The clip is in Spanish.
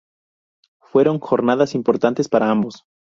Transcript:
Fueron jornadas importantes para ambos.